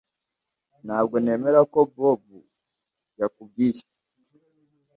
Ntabwo nemera ko Bobo yakubwiye